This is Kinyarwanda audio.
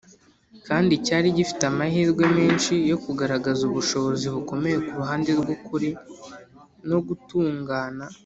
kandi cyari gifite amahirwe menshi yo kugaragaza ubushobozi bukomeye ku ruhande rw’ukuri no gutungana.